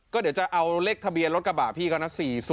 ก็เดี๋ยวจะเอาเลขทะเบียนรถกระบะพี่เขานะ๔๐